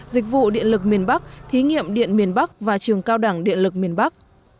dịch vụ điện lực miền bắc thí nghiệm điện miền bắc và trường cao đẳng điện lực miền bắc